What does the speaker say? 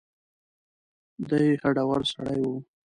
دی هډور سړی و.